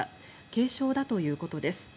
軽傷だということです。